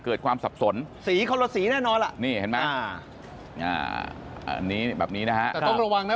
เกิดความสับสนสีคนละสีแน่นอนล่ะนี่เห็นไหมอันนี้แบบนี้นะฮะแต่ต้องระวังนะ